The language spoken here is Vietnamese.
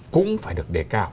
cũng phải được đề cao